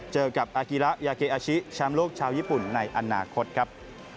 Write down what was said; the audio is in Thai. เจอกับอากิระยาเกอาชิแชมป์โลกชาวญี่ปุ่นในอนาคตครับ